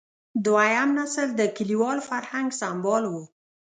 دویم نسل د کلیوال فرهنګ سمبال و.